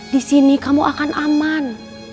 di sini kamu akan aman